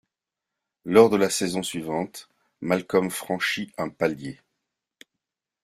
Lors de la saison suivante, Malcom franchit un palier.